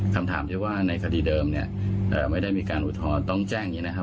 คำถามที่ว่าในคดีเดิมเนี่ยไม่ได้มีการอุทธรณ์ต้องแจ้งอย่างนี้นะครับ